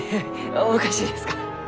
おかしいですか？